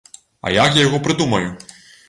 А як я яго прыдумаю?